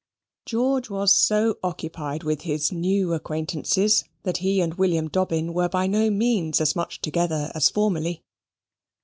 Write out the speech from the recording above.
George was so occupied with his new acquaintances that he and William Dobbin were by no means so much together as formerly.